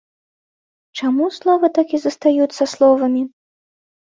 Чаму словы так і застаюцца словамі?